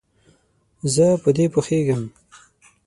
زه په دې پوهیږم.